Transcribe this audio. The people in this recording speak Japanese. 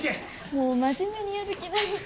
もう真面目にやる気ないじゃん。